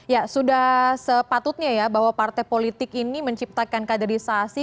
ya sudah sepatutnya ya bahwa partai politik ini menciptakan kaderisasi